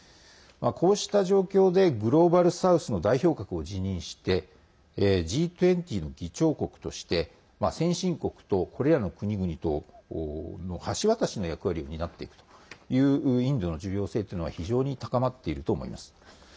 こうした状況でグローバル・サウスの代表格を自認してＧ２０の議長国として先進国とこれらの国々との橋渡しの役割を担っていくというインドの重要性というのは非常に高まっていると思います。